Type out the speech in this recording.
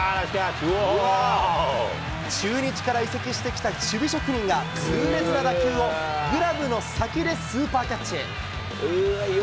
中日から移籍してきた守備職人が、痛烈な打球を、グラブの先でスーパーキャッチ。